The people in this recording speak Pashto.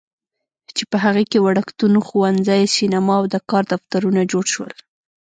چې په هغې کې وړکتون، ښوونځی، سینما او د کار دفترونه جوړ شول.